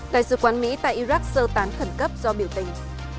đại sứ quán mỹ tại iraq sơ tán khẩn cấp do biểu tình